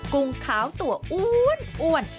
กุ้งขาวตัวอ้วนอ้วน